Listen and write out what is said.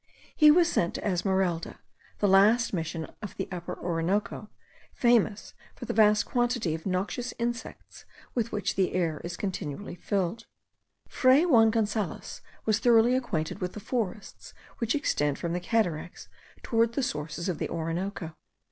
He was sent to Esmeralda, the last Mission of the Upper Orinoco, famous for the vast quantity of noxious insects with which the air is continually filled. Fray Juan Gonzales was thoroughly acquainted with the forests which extend from the cataracts towards the sources of the Orinoco.